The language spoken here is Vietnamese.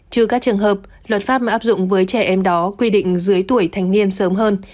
trừ các trường hợp luật pháp áp dụng với trẻ em đó quy định dưới tuổi thanh niên sớm hơn